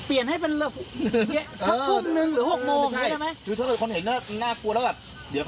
นี่ไงก็บอกลุงลุงเปลียนเวลาเดินจงกลมได้มั้ย